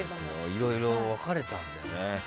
いろいろ分かれたんだね。